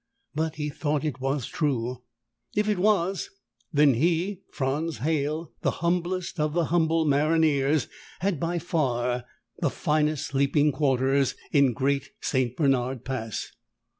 But he thought it was true. If it was, then he, Franz Halle, the humblest of the humble maronniers, had by far the finest sleeping quarters in Great St. Bernard Pass.